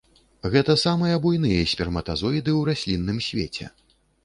Гэта самыя буйныя сперматазоіды ў раслінным свеце.